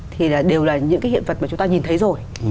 thì đều là những cái hiện vật mà chúng ta nhìn thấy rồi